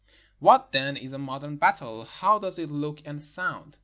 What, then, is a modern battle — how does it look and sound?